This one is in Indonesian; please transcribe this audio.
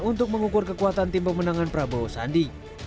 untuk mengukur kekuatan tim pemenangan prabowo sandi